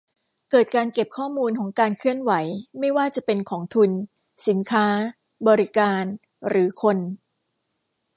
เกิดการเก็บข้อมูลของการเคลื่อนไหวไม่ว่าจะเป็นของทุน สินค้า บริการ หรือคน